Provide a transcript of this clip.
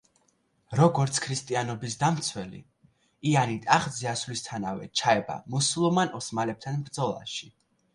როგორც ქრისტიანობის დამცველი, იანი ტახტზე ასვლისთანავე ჩაება მუსულმან ოსმალებთან ბრძოლაში.